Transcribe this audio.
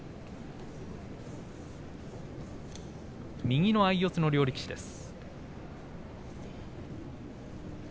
右の相四つの両力士です。